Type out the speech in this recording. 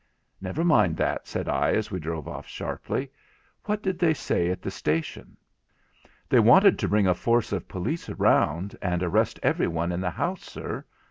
'Never mind that,' said I, as we drove off sharply, 'what did they say at the station ?' 'They wanted to bring a force of police round, and arrest every one in the house, sir.